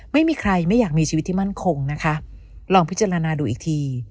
ไม่มีใครไม่อยากมีชีวิตที่มั่นคงนะคะลองพิจารณาดูอีกที